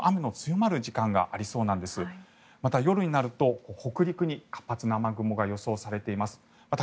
また、夜になると北陸に活発な雨雲が予想されています。